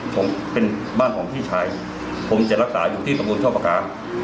ผมเป็นบ้านของพี่ชายผมจะรักษาอยู่ที่ตำบลชอบประการ